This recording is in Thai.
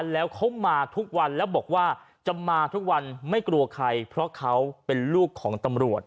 แล้วเขามาทุกวันแล้วบอกว่าจะมาทุกวันไม่กลัวใครเพราะเขาเป็นลูกของตำรวจ